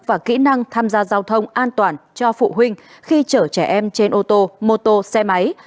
và kỹ năng tham gia giao thông an toàn cho phụ huynh khi chở trẻ em trên ô tô mô tô xe máy